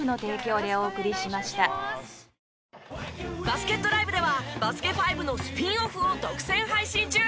バスケットＬＩＶＥでは『バスケ☆ＦＩＶＥ』のスピンオフを独占配信中！